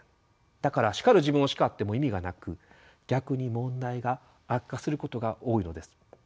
だから叱る自分を叱っても意味がなく逆に問題が悪化することが多いのです。